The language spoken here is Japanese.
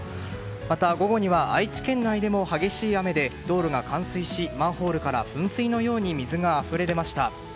また、午後には愛知県内でも激しい雨で道路が冠水し、マンホールから噴水のように水があふれ出ました。